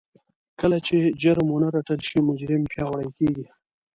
کله چې جرم ونه رټل شي مجرم پياوړی کېږي.